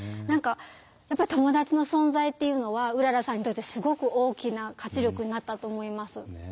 何かやっぱり友達の存在っていうのはうららさんにとってすごく大きな活力になったと思います。